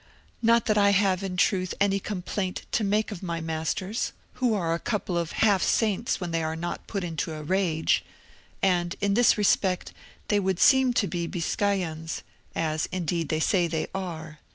Not that I have, in truth, any complaint to make of my masters, who are a couple of half saints when they are not put into a rage. And, in this respect, they would seem to be Biscayans, as, indeed, they say they are.